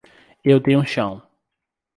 Eu tenho chão